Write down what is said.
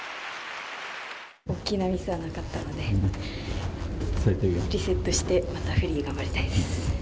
大きなミスはなかったのでリセットしてまたフリーも頑張りたいです。